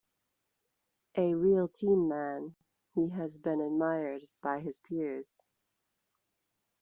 A real team man, he has been admired by his peers.